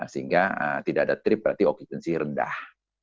sehingga tidak ada trip berarti okupansi rendah